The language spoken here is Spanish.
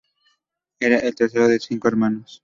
Era el tercero de cinco hermanos.